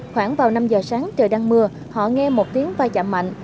khoảng vào năm giờ sáng trời đang mưa họ nghe một tiếng vai chạm mạnh